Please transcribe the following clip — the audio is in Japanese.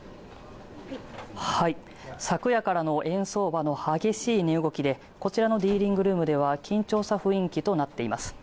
昨夜からの円相場の激しい値動きでこちらのディーリングルームでは緊張した雰囲気となっています